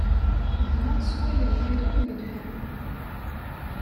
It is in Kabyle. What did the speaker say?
Xedmeɣ s wayen ɣileɣ yelha.